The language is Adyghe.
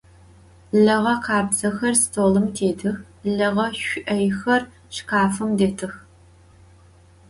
Leğe khabzexer stolım têtıx, leğe ş'oyxer şşkafım detıx.